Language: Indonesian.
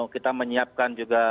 kita menyiapkan juga